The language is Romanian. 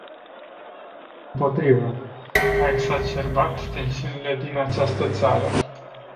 Dimpotrivă, a exacerbat tensiunile din această țară.